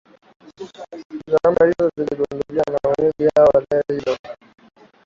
zama hizo ziligunduliwa na wenyeji wa eneo hilo